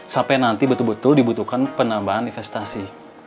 sampai nanti betul betul dibutuhkan penambahan investasi